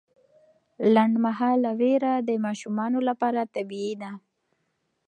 لنډمهاله ویره د ماشومانو لپاره طبیعي ده.